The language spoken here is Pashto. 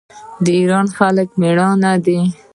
د ایران خلک میړني دي.